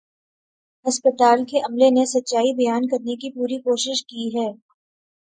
ہسپتال کے عملے نے سچائی بیان کرنے کی پوری کوشش کی ہے